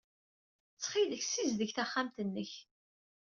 Ttxil-k, ssizdeg taxxamt-nnek.